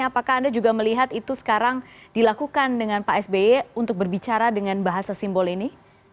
apakah anda juga melihat itu sekarang dilakukan dengan pak sby untuk berbicara dengan bahasa simbol ini